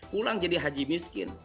pulang jadi haji miskin